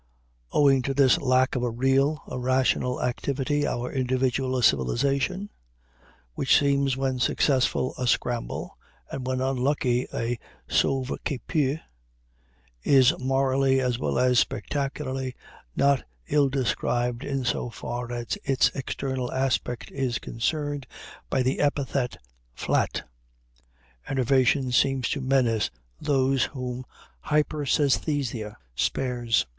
Owing to this lack of a real, a rational activity, our individual civilization, which seems when successful a scramble, and when unlucky a sauve qui peut, is, morally as well as spectacularly, not ill described in so far as its external aspect is concerned by the epithet flat. Enervation seems to menace those whom hyperæsthesia spares.